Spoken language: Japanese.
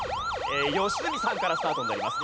良純さんからスタートになります。